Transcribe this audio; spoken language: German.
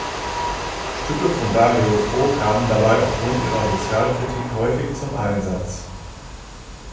Stücke von Dario Fo kamen dabei aufgrund ihrer Sozialkritik häufig zum Einsatz.